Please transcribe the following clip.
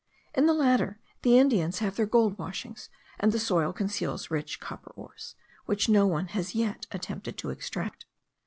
In the latter the Indians have their gold washings, and the soil conceals rich copper ores, which no one has yet attempted to extract.